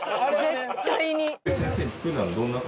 絶対に！